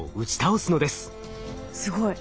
すごい。